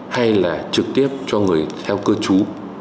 hay là trực tiếp cho người theo cư chú